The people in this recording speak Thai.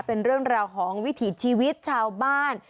เป็นเรื่องราวของวิถีชีวิตชาวบ้าน